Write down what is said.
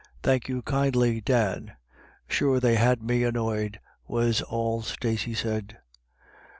" Thank you kindly, Dan ; sure they had me annoyed," was all Stacey said.